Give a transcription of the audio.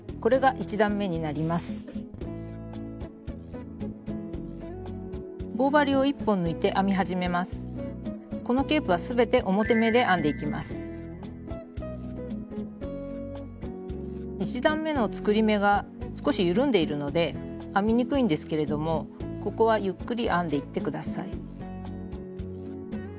１段めの作り目が少し緩んでいるので編みにくいんですけれどもここはゆっくり編んでいって下さい。